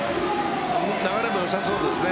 流れもよさそうですね。